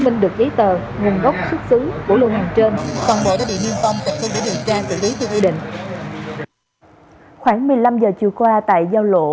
minh được giấy tờ nguồn gốc xuất xứ của lượng hàng trên khoảng một mươi năm giờ chiều qua tại giao lộ